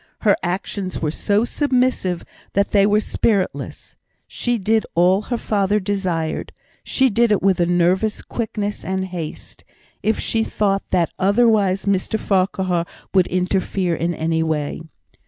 Her actions were so submissive that they were spiritless; she did all her father desired; she did it with a nervous quickness and haste, if she thought that otherwise Mr Farquhar would interfere in any way.